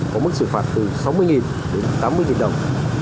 có mức xử phạt từ sáu mươi đến tám mươi triệu đồng